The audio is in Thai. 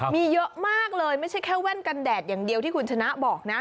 มีเยอะมากเลยไม่ใช่แค่แว่นกันแดดอย่างเดียวที่คุณชนะบอกนะ